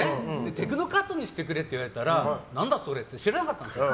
テクノカットにしてくれって言ったら何だそれって知らなかったんです